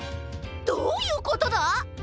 どういうことだ！？